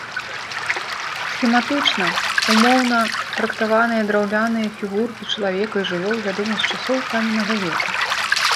Схематычна, умоўна трактаваныя драўляныя фігуркі чалавека і жывёл вядомы з часоў каменнага веку.